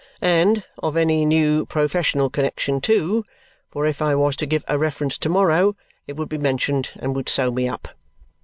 And of any new professional connexion too, for if I was to give a reference to morrow, it would be mentioned and would sew me up.